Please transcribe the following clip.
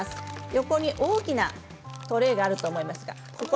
横に大きなトレーがあると思います。